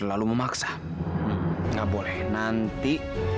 aku gak boleh lagi